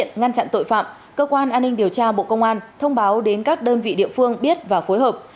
ngăn chặn tội phạm cơ quan an ninh điều tra bộ công an thông báo đến các đơn vị địa phương biết và phối hợp